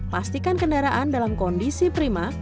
pastikan kendaraan dalam kondisi prima